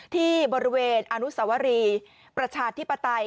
ที่บริเวณอนุสวรีประชาธิปไตย